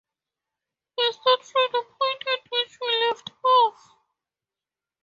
We start from the point at which we left off.